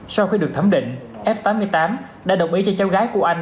sau khi được thẩm định f tám mươi tám đã đồng ý cho cháu gái của anh